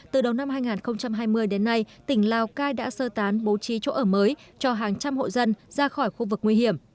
từ đầu năm hai nghìn hai mươi đến nay tỉnh lào cai đã sơ tán bố trí chỗ ở mới cho hàng trăm hộ dân ra khỏi khu vực nguy hiểm